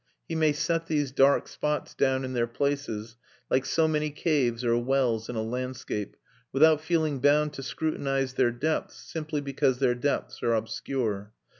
He may set these dark spots down in their places, like so many caves or wells in a landscape, without feeling bound to scrutinise their depths simply because their depths are obscure.